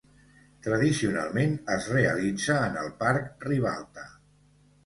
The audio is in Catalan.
Tradicionalment es realitza en el Parc Ribalta.